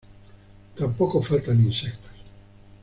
Tampoco faltan insectos.